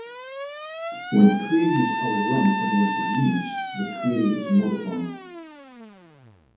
When queries are run against views, the query is modified.